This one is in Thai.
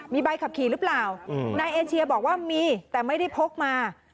มีใบขับขี่หรือเปล่านายเอเชียบอกว่ามีแต่ไม่ได้พกมา